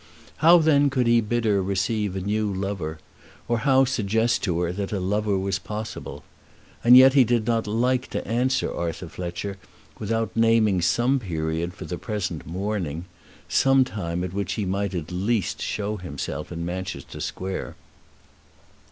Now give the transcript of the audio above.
How then could he bid her receive a new lover, or how suggest to her that a lover was possible? And yet he did not like to answer Arthur Fletcher without naming some period for the present mourning, some time at which he might at least show himself in Manchester Square.